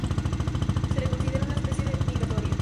Se la considera una especie migratoria.